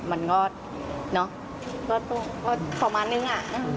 มันก็เนอะก็ประมาณนึงอ่ะ